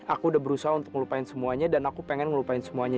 aku udah berusaha untuk ngelupain semuanya dan aku pengen ngelupain semuanya